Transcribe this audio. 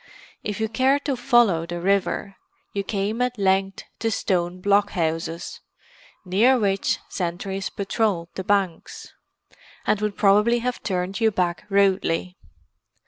If you cared to follow the river, you came at length to stone blockhouses, near which sentries patrolled the banks—and would probably have turned you back rudely.